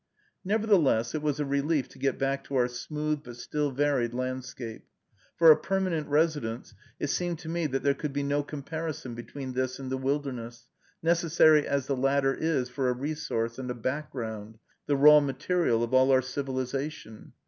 Nevertheless, it was a relief to get back to our smooth but still varied landscape. For a permanent residence, it seemed to me that there could be no comparison between this and the wilderness, necessary as the latter is for a resource and a background, the raw material of all our civilization.